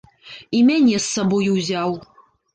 І мяне з сабою ўзяў.